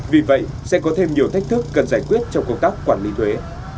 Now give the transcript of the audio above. vì vậy sẽ có thêm nhiều thách thức cần giải quyết trong công tác quản lý thuế